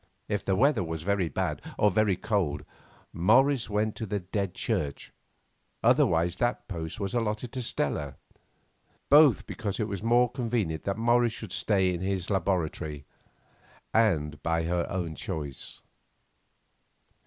If the weather was very bad, or very cold, Morris went to the dead Church, otherwise that post was allotted to Stella, both because it was more convenient that Morris should stay in his laboratory, and by her own choice.